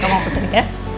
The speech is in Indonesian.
kamu pesen nih ya